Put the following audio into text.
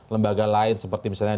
lembaga lain seperti misalnya